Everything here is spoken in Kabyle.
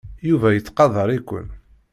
Yuba yettqadar-iken.